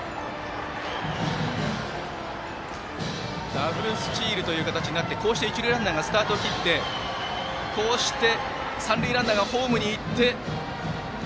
ダブルスチールという形になってこうして一塁ランナーがスタートを切って三塁ランナーがホームにいって。